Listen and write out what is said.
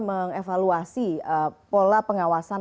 mengevaluasi pola pengawasan